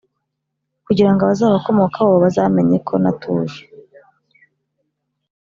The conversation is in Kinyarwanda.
kugira ngo abazabakomokaho bazamenye ko natuje